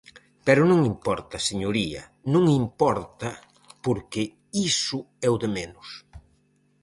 Pero non importa, señoría, non importa porque iso é o de menos.